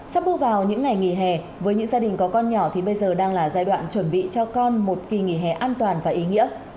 sắp bước vào những ngày nghỉ hè với những gia đình có con nhỏ thì bây giờ đang là giai đoạn chuẩn bị cho con một kỳ nghỉ hè an toàn và ý nghĩa